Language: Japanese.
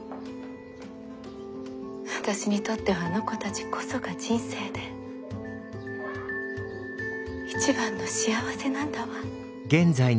私にとってはあの子たちこそが人生で一番の幸せなんだわ。